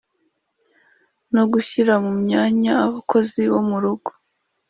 no gushyira mu myanya abakozi bomurugo